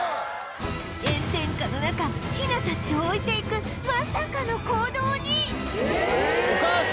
炎天下の中ヒナたちを置いていくまさかの行動に